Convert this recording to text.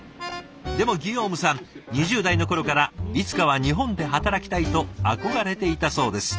でもギヨームさん２０代の頃からいつかは日本で働きたいと憧れていたそうです。